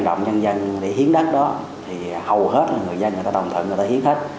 động nhân dân để hiến đất đó thì hầu hết là người dân người ta đồng thận người ta hiến hết